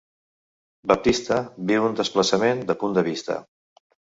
Baptista viu un desplaçament de punt de vista.